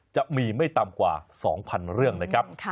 จะไม่ต่ำกว่า๒๐๐เรื่องนะครับ